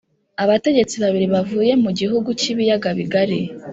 abategetsi babiri bavuye mu gihugu cy'ibiyaga bigari